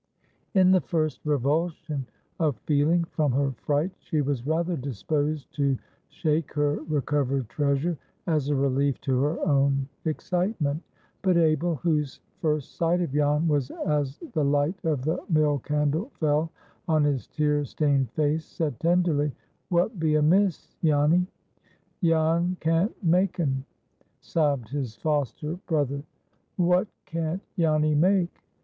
In the first revulsion of feeling from her fright, she was rather disposed to shake her recovered treasure, as a relief to her own excitement. But Abel, whose first sight of Jan was as the light of the mill candle fell on his tear stained face, said tenderly, "What be amiss, Janny?" "Jan can't make un," sobbed his foster brother. "What can't Janny make?